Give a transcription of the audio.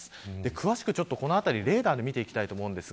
詳しくこのあたりレーダーで見ていきます。